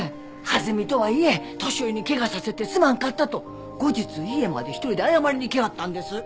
弾みとはいえ年寄りに怪我させてすまんかったと後日家まで１人で謝りに来はったんです。